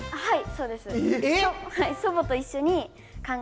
はい。